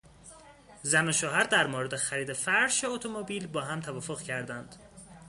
زن و شوهر در مورد خرید فرش یا اتومبیل با هم توافق کردند.